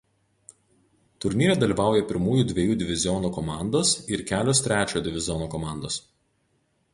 Turnyre dalyvavo pirmųjų dviejų divizionų komandos ir kelios trečiojo diviziono komandos.